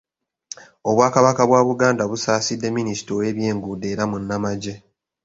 Obwakabaka bwa Buganda busaasidde Minista ow’ebyenguudo era munnamagye.